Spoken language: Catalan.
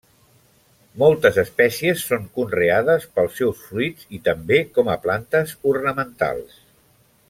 Moltes espècies són conreades pels seus fruits i també com a plantes ornamentals.